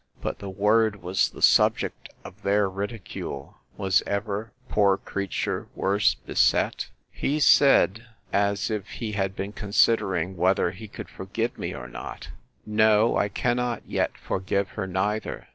But the word was the subject of their ridicule. Was ever poor creature worse beset! He said, as if he had been considering whether he could forgive me or not, No, I cannot yet forgive her neither.